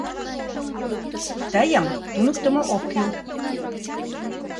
— Тыйым туныктымо ок кӱл.